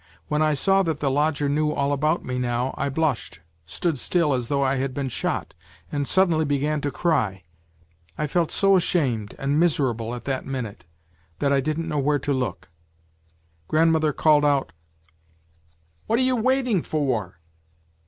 When I saw that the lodger knew all about me now, I blushed, stood still as though I had been shot, and suddenly began to cry I felt so ashamed and miserable at that minute, that I didn't know where to look ! Grandmother called out, * What are you waiting for